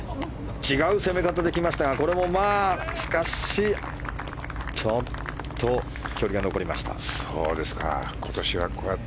違う攻め方で来ましたがこれはしかしちょっと距離が残りました。